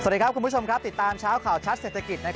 สวัสดีครับคุณผู้ชมครับติดตามเช้าข่าวชัดเศรษฐกิจ